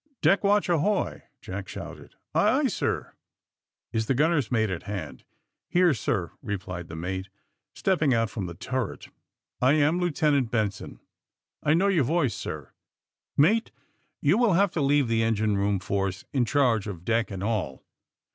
Deck watch ahoy!" Jack shouted. Aye, aye, sir." '^Is the gunner's mate at hand?" Here, sir," replied the mate, stepping out from the turret. ''I am Lieutenant Benson." I know your voice, sir." Mate, you will have to leave the engine room force in charge of deck and all.